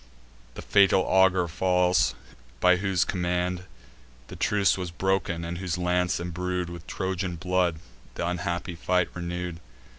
The fatal augur falls, by whose command The truce was broken, and whose lance, embrued With Trojan blood, th' unhappy fight renew'd.